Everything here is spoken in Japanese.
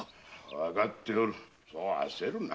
わかっておるそう焦るな。